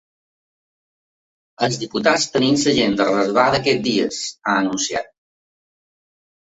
Els diputats tenim l’agenda reservada aquests dies, ha anunciat.